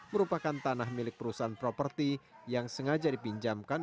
merupakan tanah milik perusahaan properti yang sengaja dipinjamkan